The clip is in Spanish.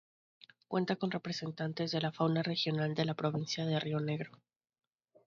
Cuenta con representantes de la fauna regional de la provincia de Río Negro.